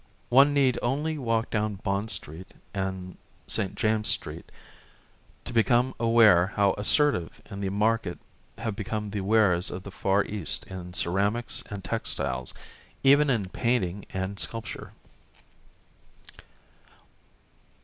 One need only walk down Bond Street and S. James's Street to become aware how assertive in the market have become the wares of the Far East in ceramics and textiles, even in painting and sculpture.